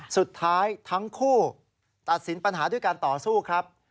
สุดท้ายทั้งคู่ตัดสินปัญหาด้วยการต่อสู้ครับ